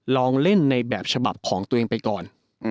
ลองเล่นในแบบฉบับของตัวเองไปก่อน